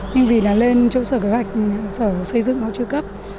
nhưng vì là lên chỗ sở kế hoạch sở xây dựng nó chưa cấp